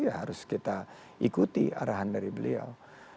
ya harus kita ikuti arahan dari beliau